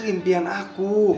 ini yang selalu bareng kita atau